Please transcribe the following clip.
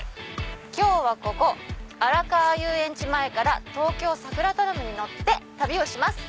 今日はここ荒川遊園地前から東京さくらトラムに乗って旅をします。